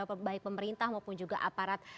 oleh pemerintah maupun juga aparat